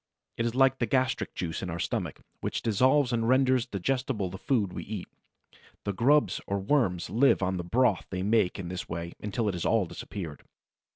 It is like the gastric juice in our stomach, which dissolves and renders digestible the food we eat. The grubs or worms live on the broth they make in this way until it has all disappeared.